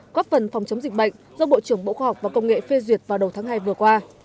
góp phần phòng chống dịch bệnh do bộ trưởng bộ khoa học và công nghệ phê duyệt vào đầu tháng hai vừa qua